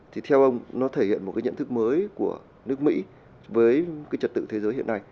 thì theo ông nó thể hiện một cái nhận thức mới của nước mỹ với cái trật tự thế giới hiện nay